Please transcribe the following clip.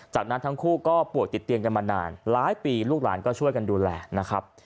จากนั้นทั้งคู่ก็ป่วยติดเตียงกันมานานหลายปีลูกหลานก็ช่วยกันดูแลนะครับ